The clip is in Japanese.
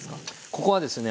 ここはですね